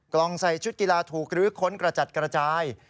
กล่องใส่ชุดกีฬาถูกลื้อค้นกระจัดกระจาย